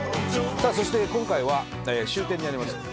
さあそして今回は終点にあります